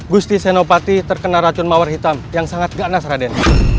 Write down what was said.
gusti senopati terkena racun mawar hitam yang sangat ganas raden